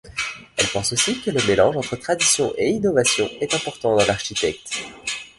Elle pense aussi que le mélange entre tradition et innovation est important dans l'architecte.